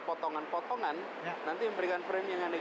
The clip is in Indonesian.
potongan potongan nanti memberikan frame